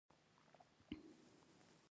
بیرته شاته راستنه شومه